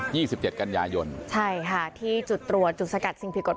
มีกล้วยติดอยู่ใต้ท้องเดี๋ยวพี่ขอบคุณ